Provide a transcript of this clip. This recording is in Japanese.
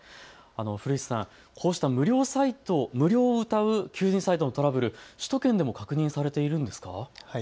古市さん、こうした無料をうたう求人サイトのトラブル、首都圏でも確認されているんでしょうか。